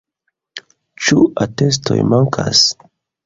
Ĉu atestoj mankas?